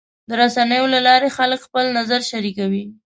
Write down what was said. د رسنیو له لارې خلک خپل نظر شریکوي.